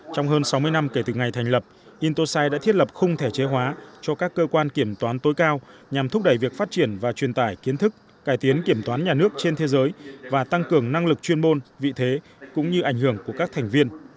trong hơn sáu mươi năm kể từ ngày thành lập intosai đã thiết lập khung thể chế hóa cho các cơ quan kiểm toán tối cao nhằm thúc đẩy việc phát triển và truyền tải kiến thức cải tiến kiểm toán nhà nước trên thế giới và tăng cường năng lực chuyên môn vị thế cũng như ảnh hưởng của các thành viên